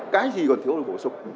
cái gì còn thiếu thì bổ sung